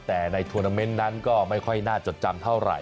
แต่ในทวนาเมนต์นั้นก็ไม่ค่อยน่าจดจำเท่าไหร